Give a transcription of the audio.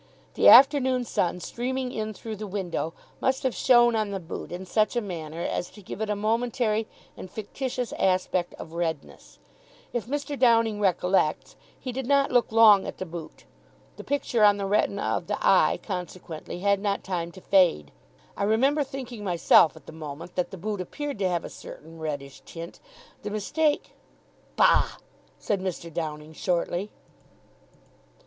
The afternoon sun, streaming in through the window, must have shone on the boot in such a manner as to give it a momentary and fictitious aspect of redness. If Mr. Downing recollects, he did not look long at the boot. The picture on the retina of the eye, consequently, had not time to fade. I remember thinking myself, at the moment, that the boot appeared to have a certain reddish tint. The mistake " "Bah!" said Mr. Downing shortly.